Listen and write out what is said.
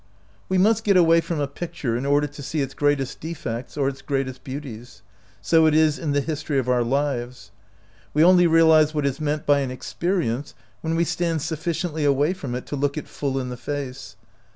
We must get away from a picture in order to see its greatest defects or its greatest beauties ; so it is in the history of our lives. We only realize what is meant by an expe rience when we stand sufficiently away from it to look it full in the face.